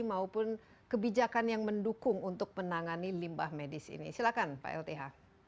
maupun kebijakan yang mendukung untuk menangani limbah medis ini silakan pak lth